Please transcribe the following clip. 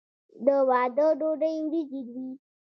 د واده ډوډۍ وریجې وي.